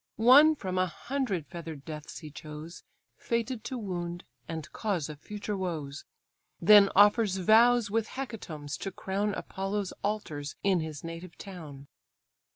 One from a hundred feather'd deaths he chose, Fated to wound, and cause of future woes; Then offers vows with hecatombs to crown Apollo's altars in his native town.